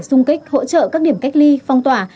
xung kích hỗ trợ các điểm cách ly phong tỏa